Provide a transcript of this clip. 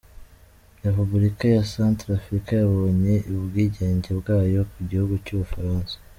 Repubulika ya Centre-Africa yabonye ubwigenge bwayo ku gihugu cy’u Bufaransa.